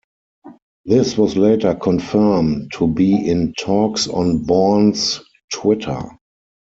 This was later confirmed to be in talks on Bourne's Twitter.